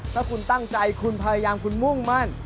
ถ้าคุณตั้งใจคุณพยายามคุณมุ่งมั่น